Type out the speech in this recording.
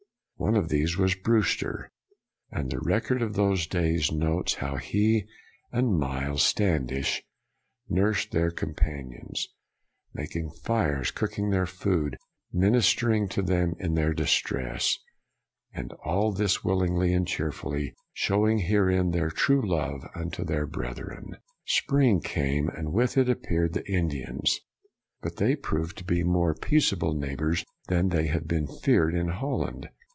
aoS BREWSTER One of these was Brewster, and the record of those days notes how he and Miles Standish nursed their companions, making their fires, cooking their food, ministering to them in their distress, " and all this willingly and cheerfully, showing herein their true love unto their brethren." Spring came, and with it appeared the Indians. But they proved to be more peaceable neighbors than had been feared in Holland.